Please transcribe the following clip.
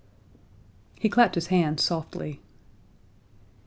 He clapped his hands softly.